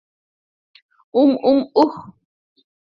উম, উম, উহ।